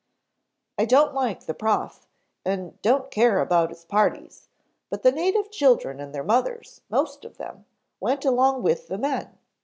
"I don't like the Prof. and don't care about his parties, but the native children and their mothers, most of them, went along with the men.